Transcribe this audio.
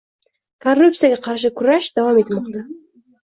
Korrupsiyaga qarshi "kurash" davom etmoqda